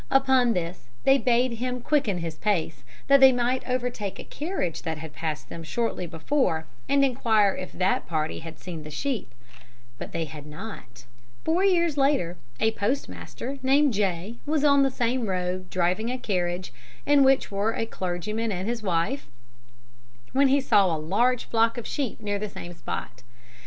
Upon this, they bade him quicken his pace, that they might overtake a carriage that had passed them shortly before, and enquire if that party had seen the sheep; but they had not. "Four years later a postmaster, named J., was on the same road, driving a carriage, in which were a clergyman and his wife, when he saw a large flock of sheep near the same spot.